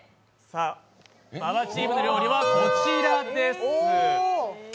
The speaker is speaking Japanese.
馬場チームの料理はこちらです。